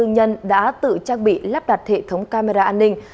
nhân đã tự trang bị lắp đặt hệ thống camera an ninh